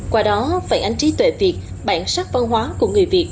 qua đó phản ánh trí tuệ việt bản sắc văn hóa của người việt